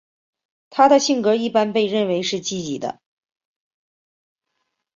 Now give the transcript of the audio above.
她的性格一般被认为是积极的。